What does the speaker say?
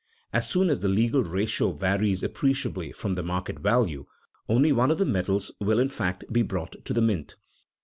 As soon as the legal ratio varies appreciably from the market value, only one of the metals will in fact be brought to the mint.